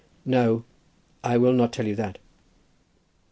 "No; I will not tell you that."